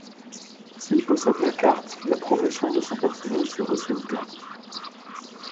S'il possède la carte, la progression de son personnage sera sauvegardée.